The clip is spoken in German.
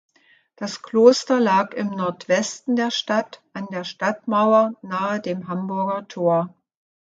Das Kloster lag im Nordwesten der Stadt, an der Stadtmauer nahe dem Hamburger Tor.